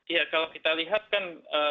ya kalau kita lihat kan